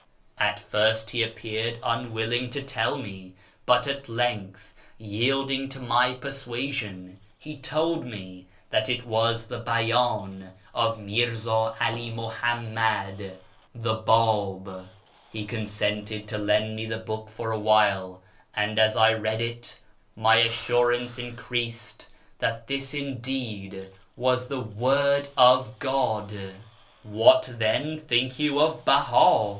At first he appeared unwilling to tell 502 A YEAR AMONGST THE PERSIANS me, but at length, yielding to my persuasion, he told me that it was the Bn/dii of Mi'rza 'AH Muhammad, the Biih. He consented to lend me the book for a while; and as 1 lead it my assurance increased that this indeed was the Word oi" God." " What, then, think you of Beh;i